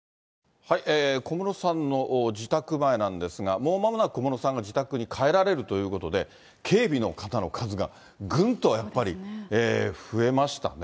もうまもなく小室さんが自宅に帰られるということで、警備の方の数がぐんとやっぱり増えましたね。